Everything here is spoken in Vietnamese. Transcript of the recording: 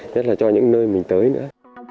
nhất là cho những nơi mình tới nữa